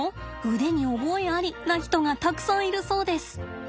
「腕に覚えあり」な人がたくさんいるそうです。